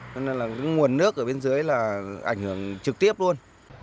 nên là nguồn nước ở bên dưới là ảnh hưởng trực tiếp luôn